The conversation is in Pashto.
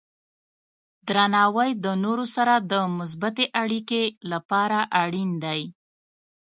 درناوی د نورو سره د مثبتې اړیکې لپاره اړین دی.